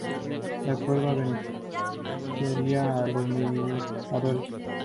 El acuerdo beneficiaría a los mediadores.